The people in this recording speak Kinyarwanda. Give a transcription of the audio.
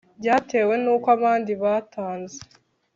Byatewe n uko abandi batanze